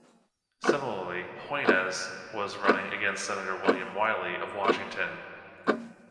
Similarly, Hoynes was running against Senator William Wiley of Washington.